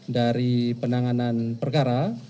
dari penanganan perkara